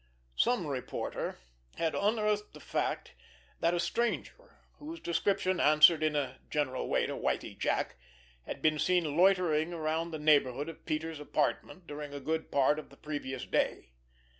Some reporter had unearthed the fact that a stranger, whose description answered in a general way to Whitie Jack, had been seen loitering around the neighborhood of Peters' apartment during a good part of the previous day.